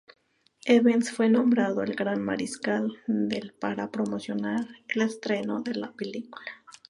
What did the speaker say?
Evans fue nombrado el gran mariscal del para promocionar el estreno de la película.